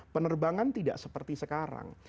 penerbangan tidak seperti sekarang